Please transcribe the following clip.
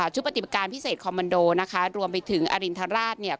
ชุบปฏิการพี่เสดะคอมมาร์โดรวมไปถึงอรินทรมานราช